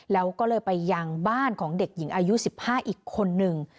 แล้วก็เลยไปยังบ้านของเด็กหญิงอายุ๑๕อีกคนนึง